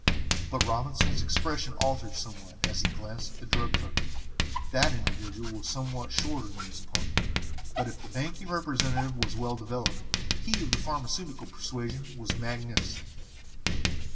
But Robinson's expression altered somewhat as he glanced at the drug clerk. That individual was somewhat shorter than his opponent, but if the banking representative was well developed, he of the pharmaceutical persuasion was magnificent.